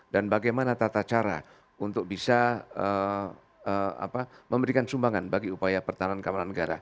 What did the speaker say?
dan bagaimana tata cara untuk bisa memberikan sumbangan bagi upaya pertahanan keamanan negara